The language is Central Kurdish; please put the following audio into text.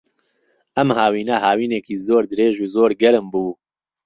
ئەم هاوینە، هاوینێکی زۆر درێژ و زۆر گەرم بوو.